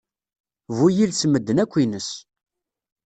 Bu yiles medden akk ines.